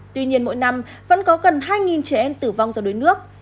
tuy nhiên mỗi năm vẫn có gần hai trẻ em tử vong do đuối nước